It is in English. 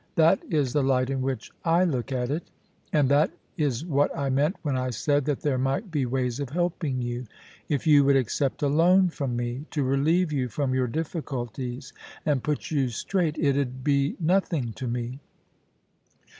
That is the light in which I look at it ... And that is what I meant when I said that there might be ways of helping you. If you would accept a loan from me — to relieve you from your difficulties and put you straight — it 'ud be nothing to me.'